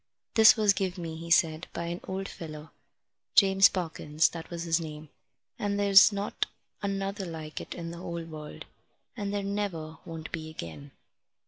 "This was give me," he said, "by an old feller James Parkins, that was his name and there's not another like it in the whole world, and there never won't be again."